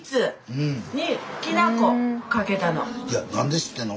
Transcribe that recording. いや何で知ってんの。